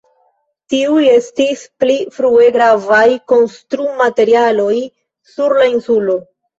Tiuj estis pli frue gravaj konstrumaterialoj sur la insulo.